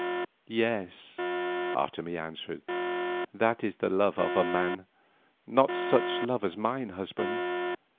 "Yes," Otomie answered, "that is the love of a man; not such love as mine, husband.